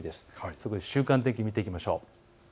そこで週間天気を見ていきましょう。